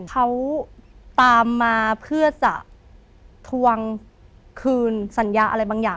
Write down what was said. เขาตามมาเพื่อจะทวงคืนสัญญาอะไรบางอย่าง